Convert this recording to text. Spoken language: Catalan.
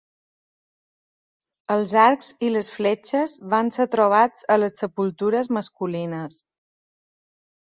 Els arcs i les fletxes van ser trobats a les sepultures masculines.